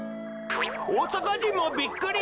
大阪人もびっくり！